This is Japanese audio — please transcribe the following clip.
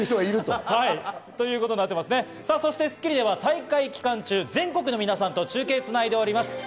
そして『スッキリ』では大会期間中、全国の皆さんと中継つないでおります。